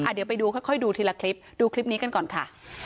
เดี๋ยวไปดูค่อยดูทีละคลิปดูคลิปนี้กันก่อนค่ะ